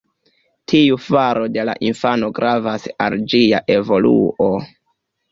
Tiu faro de la infano gravas al ĝia evoluo.